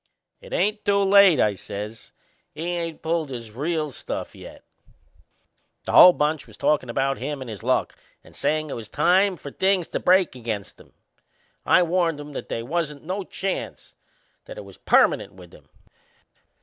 "It ain't too late," I says. "He ain't pulled his real stuff yet." The whole bunch was talkin' about him and his luck, and sayin' it was about time for things to break against him. I warned 'em that they wasn't no chance that it was permanent with him.